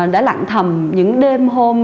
đã lặng thầm những đêm hôm